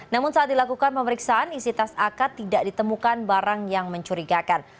namun saat dilakukan pemeriksaan isi tas akad tidak ditemukan barang yang mencurigakan